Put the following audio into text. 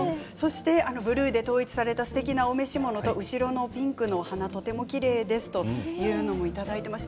ブルーで統一されたすてきなお召し物と後ろのピンクの花がとてもきれいですといただいています。